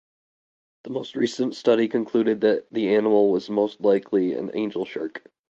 The most recent study concluded that the animal was most likely an angelshark.